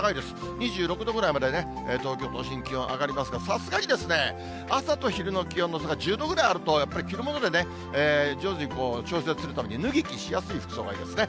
２６度ぐらいまでね、東京都心、気温上がりますが、さすがにですね、朝と昼の気温の差が１０度ぐらいあると、やっぱり着るもので徐々に調節するために、脱ぎ着しやすい服装がいいですね。